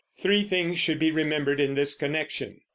Three things should be remembered in this connection.